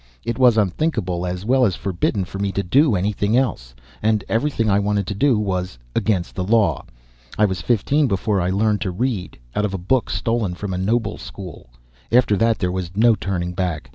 It was unthinkable, as well as forbidden for me to do anything else. And everything I wanted to do was against the law. I was fifteen before I learned to read out of a book stolen from a noble school. After that there was no turning back.